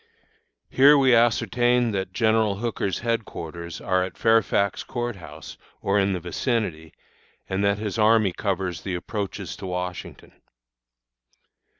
Here we ascertained that General Hooker's headquarters are at Fairfax Court House, or in the vicinity, and that his army covers the approaches to Washington.